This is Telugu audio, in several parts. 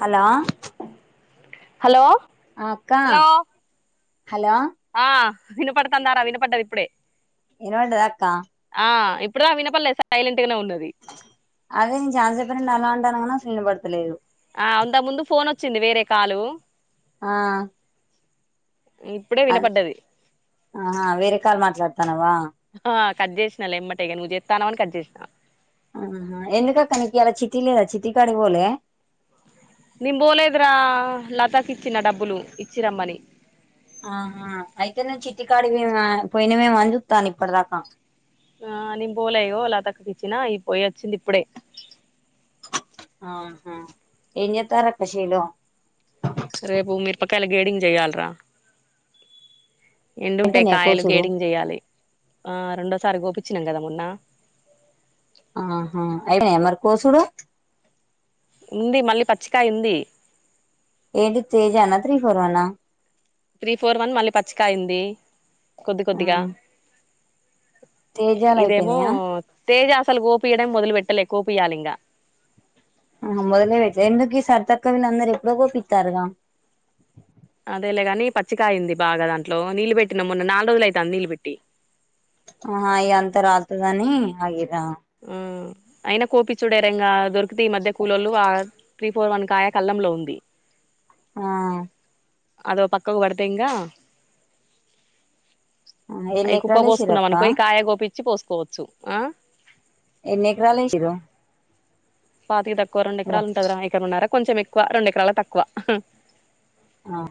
హలో హలో ఆ అక్క హలో హలో ఆ వినపడతందారా వినపడ్డది ఇప్పుడే వినపడ్డదా అక్క ఆ ఇప్పుడుద వినపల్లేదు సైలెంట్ గానే ఉన్నది అదే నేను చాల చెప్పనండి. అలా ఉంటాను కూడా అసలు నిన వినపడొతలేదు. ఆ అంతకు ముందు ఫోన్ వచ్చింది వేరే కాలు ఆ ఇప్పుడే అ వినపడ్డది హా వేరే కాలు మాట్లాడతున్నవా ఆ కట్ జేసినాలే ఎమ్మటేగా నువ్వు చేత్తానవని కట్ జేసిన ఆ ఎందుకక్క నీకు ఇలా చిటి లేదా చిటికాడికి పోలే నేన్ పోలేదురా లతాకి ఇచ్చిన డబ్బులు ఇచ్చిరమ్మని ఆహా అయితేనేే చిట్టికాడి పోయిన పోయినవేమోని చూత్తాన ఇప్పటి దాకా ఆ నేను పోలె ఇగో లతక్క కి ఇచ్చినా ఈ పోయి వచ్చింది ఇప్పుడే ఆహ ఎం జెత్తారక్కా శిలు రేపు మిరపకాయల గేడింగ్ చెయ్యాలరా ఎండుంటాయి అయిపోయినాయా కాయలు కోసుడు గేడింగ్ చేయాలి ఆ రెండోసారి గోపిచ్చినాం కదా మొన్న ఆహా ఐనాయా మరి కోసుడు ఉంది మళ్ళీ పచ్చికాయ ఉంది. ఏంటి తేజనా త్రి ఫోర్ వన్ హా త్రీ ఫోర్ వన్ మళ్ళీ పచ్చికాయ్ ఉంది కొద్ది కొద్దిగా తేజాలు ఇదేమో అయిపోయినాయా తేజా అసలు కోపియడం మోదలు పెట్టలే కోపియాలింగ ఆ మొదలే పేట్లే ఎందుకి సరిత అక్కోళ్ళు అందరు ఎప్పుడో గోపితారుగా అదేలేగాని పచ్చికకాయంది బాగా దాంట్లో నీళ్ళు పెట్టిన మొన్న నాలు రోజులు అవుతుంది నీళ్ళు పెట్టి హ హ ఈ అంత రాళ్తదని హగి ఉ అయినా కోపిచ్చుడే రా ఇంగ దొరుకుతే ఈ మధ్య కూలోళ్ళు ఆ త్రీ ఫోర్ వన్ కాయ కళ్లంలో ఉంది ఆ అదోక పక్కకు పడితే ఇంగ ఎన్ని అవి కుప్ప ఎకరాలు పోసుకున్నాం ఏసిరక్క అనుకో ఈ కాయ గోపిచ్చి పోసుకోవచ్చు ఆ ఎన్ని ఏకరాలు ఏసీలు పాతికి తక్కువ రెండుకరాలు ఉంటందా ఎకర ఉన్నారా కొంచెం ఎక్కువ రెండుకరాలు తక్కువ ఆహ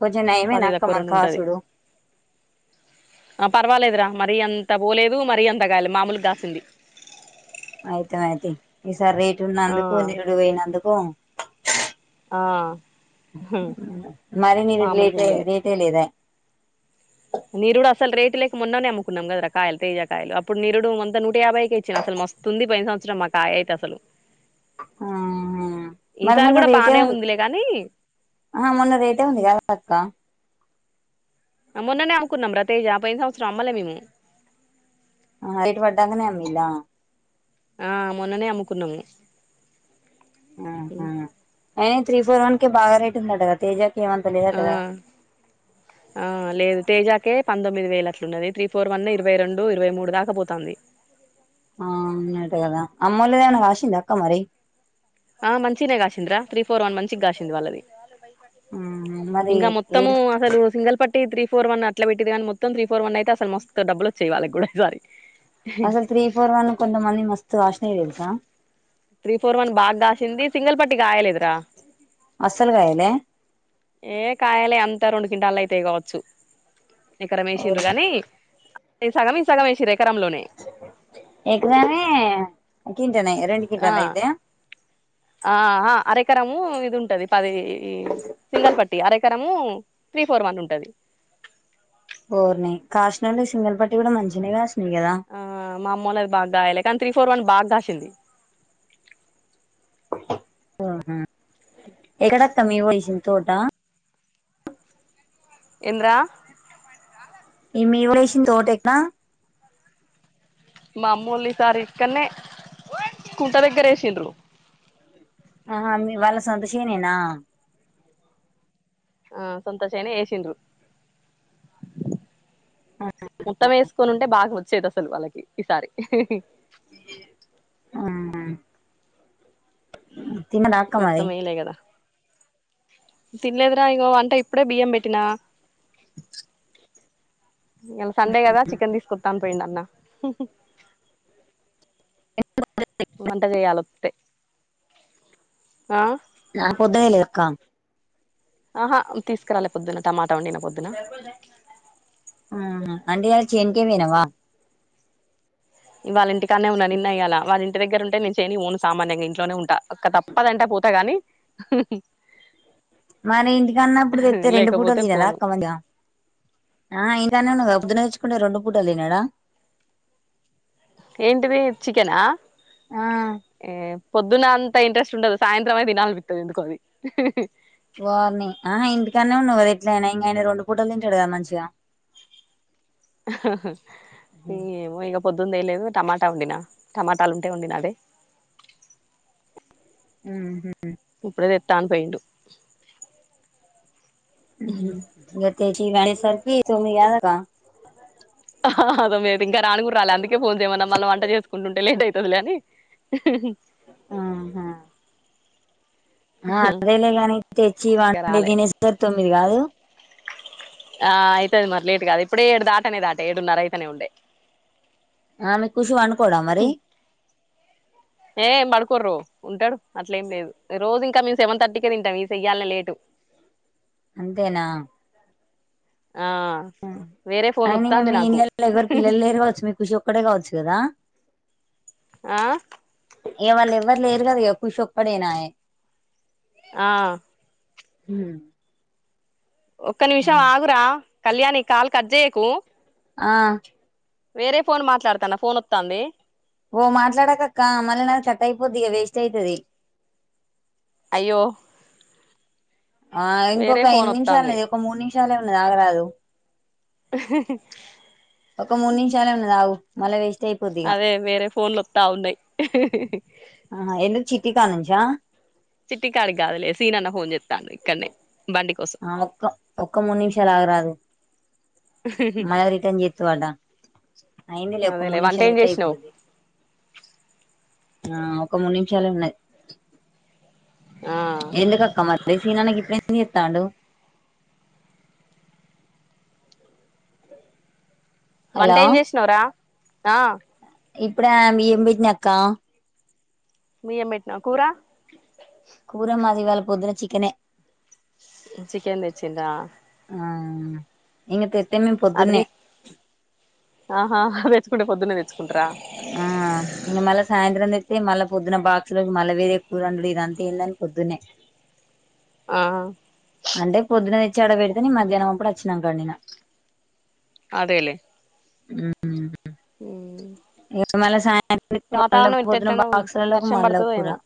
కొంచం నయమేనా పాతికి తక్కువ అక్క రెండు ఉంటది కాసుడు ఆ పర్వాలేదురా మరీ అంత పోలేదు మరీ అంత గాయలే మామూలుగా కాసింది ఐతేపాయతీ ఈసారి రేటు ఆ ఉన్నందుకు నిరుడు పోయినందుకు ఆ హ్మ్ మరి నీరు మామూలుగా రెటే రేటే లేదా నీరుడు అసలు రేటు లేక మొన్ననే అమ్ముకున్నాం కదారా కాయలు తేజా కాయలు అప్పుడు నీరుడు అంత నూ ట యాభైకే ఇచ్చిన అసలు మస్తుంది పోయిన సంవత్సరం మా కాయ అయితే అసలు ఆ ఈసారి కూడా బానే ఉందిలే గానీ ఆ మొన్న రేటే ఉంది కదా అక్క మొన్ననే అమ్ముకున్నాం ర తేజ పోయిన సంవత్సరం అమ్మలే మేము రేటు పడంకనే అమ్మిల్ల ఆ మొన్ననే అమ్ముకున్నాము ఆహ అయిన త్రీ ఫోర్ వన్ కే బాగా రేట్ ఉందట గా తేజ ఆ ఆ లేదు తేజా పంతొమ్మిది వేల అట్లున్నది త్రీ ఫోర్ వన్ ఇరవై రెండు ఇరవై మూడు దాకపోతాంది ఆ అటుగాదా అమ్మోలదేమైన కాషింద అక్క మరి ఆ మంచినే కాసిందిరా త్రీ ఫోర్ వన్ మంచి కాసింది వాళ్ళది మరి ఇంకా ఏ మొత్తము అసలు సింగల్పట్ త్రీ ఫోర్ వన్ అట్లా పెట్టిది కానీ మత్తం తీ ఫోర్ వన్ అయితే అసలు మస్తు డబులు వచ్చేవి వాళకి కూడా ఈసారి అసలు త్రీ ఫోర్ వన్ కొంత మంది మస్తు కాశినై తెలుసా త్రీ ఫోర్ వన్ బాగాకసింది సింగల్ పట్టి కాయలేదురా అసలు కాయాలె ఏ కాయాలే అంతా రెండు కింటాలు అయితయి కావచ్చు ఎకరం ఏసిండ్రు గాని అది సగం ఇది సగం వేసిర్రు ఎకరంలోనే ఎకరమే కింటనే రెండు కింటాల్ ఐతాయా ఆ ఆ అరెకరము ఇది ఉంటది పది సింగల్ పట్టి అరెకరము త్రీ ఫోర్ వన్ ఉంటది ఓరిని కాశినయ్ సింగల్ పట్టి కూడా మంచిగానే కష్ ఆ మా అమ్మోళ్ళది బాగా కాయాలే కానీ త్రీ ఫోర్ వన్ బాగా కాసింది ఆహ ఎక్కడక్క మీ వొల్లేసింది తోట ఎంద్రా ఈ మీ కూడా వేసింది తోట ఎక్కడ? మామ్మూళ్ళసారి ఇక్కనే కుంట దగ్గర వేసిండ్రు ఆ హా మీ వాళ్ళది సోంత శేనేనా ఆ సొంత చేనే ఏసిండ్రు మొత్తమేస్కొని ఉంటే బాగోచ్చేది అసలు వాళ్ళకి ఈసారి ఆహ్ ఉత్త మేలే కదా తినలేద్రా ఇంగో వంట ఇప్పుడే బియ్యం పెట్టినా ఇలా సండే కదా చికెన్ తీసుకొస్తా అను పోయిండన్న హుహ వంట చేయాల ఓత్తే ఆ నాక్ పోద్దేలక్కా ఆహా తీసుకురాలే పొద్దున్న టమాటా వండిన పొద్దున అవున అంటే చెనికి పోయినవా ఇవాళ్ళ ఇంటికన్నున్నా నిన్నయ్యలా వాళ్ళంటి ఇంటి దగ్గరుంటే నేను చేన్కి ఓను సామాన్యంగా ఇంట్లోనే ఉంటా. అ తప్పదంటే పోతా గాని హుహ్ మరి ఇంటికన్నప్పుడు తెప్తే రెండు పూటలు లేకపోతే పోను తినడాక్క మ ఆ ఇంటనే ఉన్నా పోద్దునేచ్చుకుంటే రెండు పూటలు తినడా ఏంటిది చికెనా ఆ ఏ పొద్దున్నంత ఇంట్రెస్ట్ ఉండదు సాయంత్రమే తినాలన్పితది ఎందుకోది హుహ్ వారిని ఆహా ఇంటికనే ఉండవుద ఎట్లైనా ఇంకాయన రెండు పూటలు తింటాడు కదా మంచిగా అహ్హ్ ఏమో ఇగ పొద్దుందేయలేదు టమాటా వండినా టమాటాలు ఉంటే వండినా అదే ఉహు ఇప్పుడేదేత్తాన్ పోయిండు ఇగ తెచ్చి వాండేసార్కి తోంమిది గాక్కా అహ్హ్ అదో మీద ఇంకా రానుకు రాలి అందుకే ఫోన్ చేయమన్నా మళ్ళ వంట చేస్కుంటుంటే లేటైతదిలే అని హ్హ్ ఆహా ఆ అదేలేగాని తెచ్చి ఇంకా వండే రాలే తినేసరికి తొమ్మిది కాదు. ఆ అయితది మరి లేట్ కాదు ఇప్పుడే ఏడు దాటనే దాట ఏడున్న అయితనే ఉండే ఆ మీ ఖుషి వనుకోవడా మరి? ఏం పడుకోరో ఉంటాడు అట్లేం లేదు రోజు ఇం అక్క మీ సెవెన్ థర్టీకే తింటాం మీ ఇయ్యాలే లేటు అంతేనా ఆ అ వేరే ఫోన్ అయినింగా వత్తాంది మీ నాకు ఇళ్లలో ఎవరు పిల్లలేరు కావచ్చు మీ ఖుషి ఒక్కడే కావచ్చు కదా. ఆ ఇగ వాళ్ళేవ్వరు లేరు కద ఇగ ఖుషోక్కడైనాయే ఆ హుహ్ ఒక్క నిమిషం ఆగురా కళ్యాణి కాల్ కట్ జేయకు. ఆ వేరే ఫోన్ మాట్లాడతాను ఫోన్ ఓత్తాంది. ఓ మాట్లాడాకక్క మళ్ళ నాది కట్ అయిపోద్ది ఇక వేస్ట్ అయితది. అయ్యో ఆ వేరే ఇంకొక ఫోన్ ఎన్ని నిమ్షాలు వత్తాంది ఉన్నది ఒక మూడు నిమ్షాలే ఉన్నాది ఆగరాదు. ఒక మూడు నిమ్షాలే ఉన్నాదావు అదే వేరే ఫోన్లోత్త ఉన్నాయి. హిహిహి ఆ ఎందుకు చిట్టి కానుంచా చిట్టి కాడికి గదులే సీనన్న ఫోనచేతండు ఇక్కనేే ఆ ఒక్క ఒక్క మూడు నిమ్షాలాగరాదు మై రిటర్న్ చేతూ వాట అయిందిలే ఒక్క అదేలే మూడు వంట ఏం నిమ్షాలైతే చేసినావు అయిపోది ఆ ఒక మూడు నిమిషాలె ఉన్నది. ఆ ఎందుకు అక్క మళ్ళీ సినన్న గిప్పుడేం చెత్తండు హలో వంటెమ్ చేసినవు రా ఆ ఇప్పుడే ఆమ్ బియ్యం బెట్నా అక్క బియ్యం బెట్నా కూర కూర మాది ఇవాళ పొద్దున చికనే చికెన్ తెచ్చిండ్రా ఉమ్ ఇంగ తెతే మేమ్ అటు పొద్దున్నే తీస్ ఆహా హ తెచ్చుకుంటే పొద్దున్నే తెచ్చుకుంటర ఆ ఆ మళ్ళ సాయంత్రం తెస్తే మళ్ళ పొద్దున్న బాక్సు లోకి మళ్ళా వేరే కూర అండుడు ఏదీ ఇదంత ఏందని పొద్దున్నే ఆ అంటే పొద్దున ఆ పెడితే నేన్ మధ్యాహ్నం అప్పుడు అచ్చినంక వండిన అదేలే ఉ ఉ ఉ ఏ మళ్ల సాయం [unintelligible] మళ్ల పొద్దున్న ఇట్టెట్లనో ఉంది బాక్సులలోకి వర్షం మల్ల పడుతదో కూర ఏమో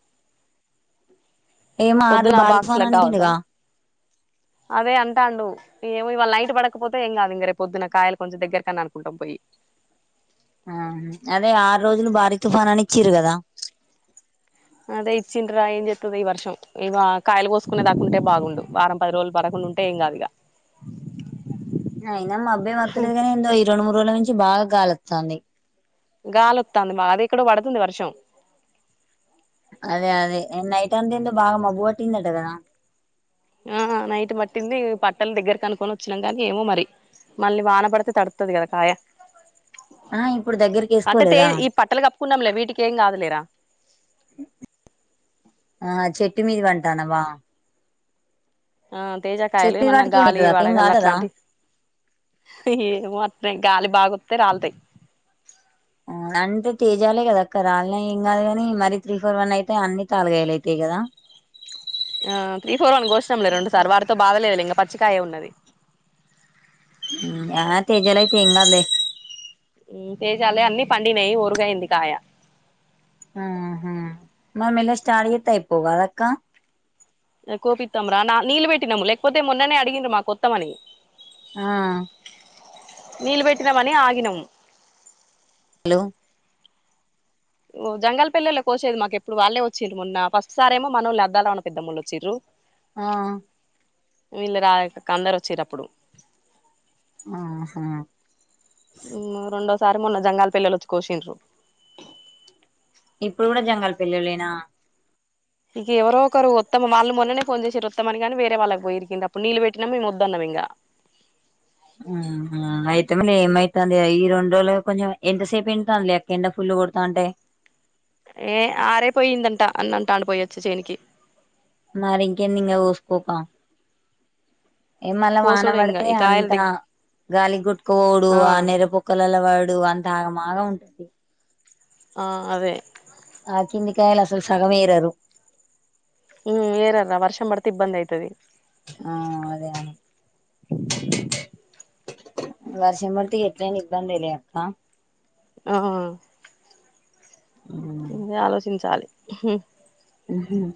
ఏమో ఆరు పొద్దున ఆ భారీ బాక్స్ల తుఫానానికి కావద్దా ఇచ్చిండుగా అదే అంటాండు ఏమో ఇవాళ నైట్ పడకపోతే ఏం గాదు ఇంగ రేపు పొద్దున కాయలు కొంచం దగ్గరకైనా అనుకుంటం పోయి ఆ అదే ఆరు రోజులు భారీ తుఫానాని ఇచ్చిరు గదా అదే ఇచ్చిండ్రా ఏం చెత్తదో ఈ వర్షం ఇగ కాయలు కోసుకునే దకుంటే బాగుండు వారం పది రోజులు బడకు ఉంటే ఏం గాదు ఇగ అయినా మాబేమ్ వాతలేదు గాని ఈ రెండు మూడు రోజుల నుంచి బాగా గాలి వొత్తంది గాలి వొత్తంది మ అదే ఎక్కడొ పడుతుంది వర్షం అదే అదే నైట్ అంత ఏందో బాగా మబ్బు పట్టిందట గదా ఆ నైట్ పటింది పట్టల దగ్గర కనుకొని వొచ్చినాం గాని ఏమో మరి మళ్ళీ వాన పడితే తడుత్తది గదా కాయ ఆ ఇప్పుడు దగ్గరికి అంటే వేసుకోలేదా తెజ్ ఈ పట్టలు కప్పుకున్నాంలే వీటికి ఏం కాదులేరా ఆ చెట్టు మీది వంటన్నావా ఆ తేజ కాయలు ఏమన్నా వాటికి గాలి ఏమైతది అక్క ఏం వడగల్ళ కాదు కదా అట్లాంటి హి ఏమో అర్థం కాలే బాగోత్తే రాల్తాయి ఆ అంటే తేజాలే గదా అక్క రాల్నా ఏం గాదు కాని మరీ త్రీ ఫోర్ వన్ అయితే అన్ని తల్గాలైతాయి గదా ఆ త్రీ ఫోర్ వన్ కోస్నామ్ లే రెండు సార్ వాటితో బాధలేదులే ఇంగ పచ్చికయ ఉన్నది హ్మ్మ్ య తేజాలయితే ఎంగద్లె తేజాలే అన్ని పండినయి ఒరుగయింది కాయ మరి మెల్లగా స్టాడ్ జేత్తే అయిపోవు గదా అక్క కోపిత్తం రా నా నీళ్ళు పెట్టినాము లేకపోతే మొన్ననే అడిగిండ్రు మాకు కొత్తమని ఆ నీలు పెట్టినామని ఆగినం హలో ఓ జంగల్ పెల్లల్లో కోశేది మాకు ఎప్పుడు వాళ్ళే వొచ్చిండ్రు మొన్న ఫస్ట్ సరేమో మనోళ్లు అద్దాలరామన్న పెద్దమ్మోళ్లు వొచ్చిర్రు ఆ వీళ్ళు రాయక్ కందర్ వొచ్చిర్ అప్పుడు ఆహా. ఉమ్ రెండోసారి మొన్న జంగాల్ పిల్లోళ్ళు వొచ్చి కోషిండ్రు. ఇప్పుడు గుడా జంగాల్ పిళ్ళోళ్ళేనా. ఇక ఎవరో ఒకరు వొత్తము వాళ్ళ మొన్ననే ఫోన్ చేసింరు వత్తమని కానీ వేరే వాళ్ళకి పోయింరు కింద అప్పుడు నీళ్లు పెట్టినాక వద్దన్నం ఇంకా. ఇగ ఉ ఊమ్ అయితే మళ్ళీ ఎమైతంది ఈ రెండు రోజులు కొంచం ఎంతసేపు ఏంటాంలె అక్క్ ఎండ ఫుల్ పూడ్ కొడ్తాంటే ఏ ఆరేపోయిందంట అన్న అంటాండు పోయొచ్చీ చేనుకి. మరింక ఏంది ఇంకా కోస్కోక. ఏ మళ్ళా వాన కోసుడే ఇంగా పడ్తే ఈ కాయల అంతా దగ్ గాలి గోట్కపోవుడు ఆ ఆహ్ నెరపోక్కలలా. వాడు అంత ఆగం ఆగం ఉంటది. ఆహ్ అదే. ఆహ్ కిందికాయలు అసలు సగంమే ఏరరు. ఉమ్ ఏరరురా వర్షం పడితే ఇబ్బంది అయితది. ఆహ్ అదే అదే. వర్షం పడ్తే ఎట్లయినా ఇబ్బందిలే అక్కా. ఆహ్. ఇంగ ఆలోచించాలి. ఉమ్మ్.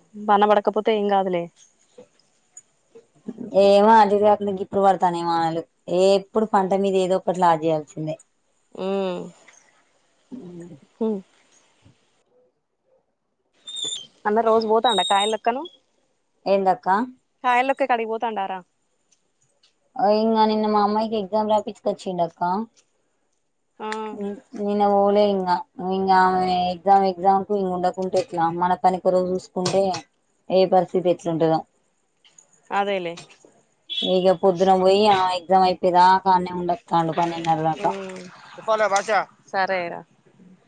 కాకపోతే ఏం కాదులే. ఏమో అది కాకుండా ఇప్పుడు పడ్తానేమో వానలు ఏ ఎప్పుడు పంట మీద ఏదో ఒకటి లాగ్ చేయాల్సిందే. ఊమ్. అన్న రోజ్ పోతాండా కాయ్ లెక్కను. ఎందాక్క. కాయలెక్కేకాడికిపోతాండారా. ఇంగ నిన్న మా అమ్మాయికి ఎగ్జామ్ రాపిచ్చుకొని వచ్చిండాక్కా. ఆ ఉమ్ నిన్న పోలే. ఇంగ ఎగ్జామ్ ఎగ్జామ్ కు ఇంకా ఉండకుంటే ఎట్లా మన పనికొరకు చూస్కుంటే. ఏ పరిస్థితి ఏట్ల ఉండదో. అదేలే ఇక పొద్దున పోయి ఆ ఎక్జామ్ అయిపోయేదాకా ఆనే. అడ్నే ఉండు ఓతండు పనేండు నారా దాక. సరే రా. ఊమ్.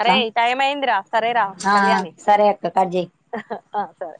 అరే టైం అయిందిరా సరేరా ఆ ఆ కళ్యాణి సరే అక్క కట్ జెయ్ ఆహ్ సరే.